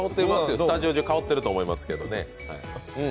スタジオ中、香ってると思いますけどね。